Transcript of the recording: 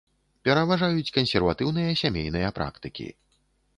Пераважаюць кансерватыўныя сямейныя практыкі.